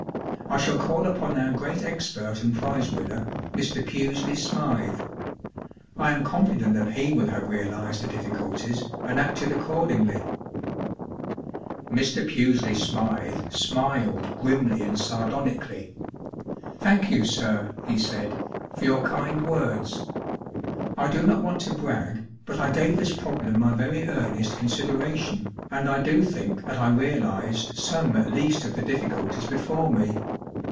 I shall call upon our great expert and prize winner, Mr. Pusely Smythe. I am confident that he wilt have realized the difficulties and acted accordingly." Mr. Pusely Smythe smiled grimly and sar¬ donically. “ Thank you, sir," he said, “ for your kind words. I do not want to brag, but I gave this problem my very earnest considera¬ tion, and I do think that I realized some at least of the difficulties before me.